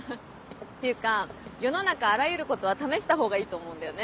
ていうか世の中あらゆることは試した方がいいと思うんだよね。